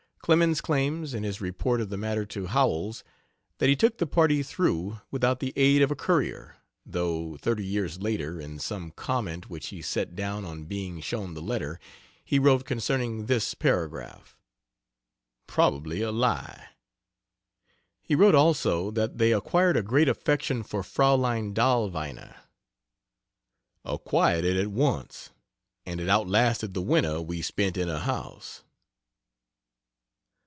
Clemens claims, in his report of the matter to Howells, that he took the party through without the aid of a courier, though thirty years later, in some comment which he set down on being shown the letter, he wrote concerning this paragraph: "Probably a lie." He wrote, also, that they acquired a great affection for Fraulein Dahlweiner: "Acquired it at once and it outlasted the winter we spent in her house."